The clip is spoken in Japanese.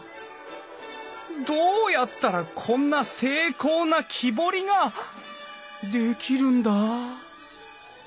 どうやったらこんな精巧な木彫りができるんだ？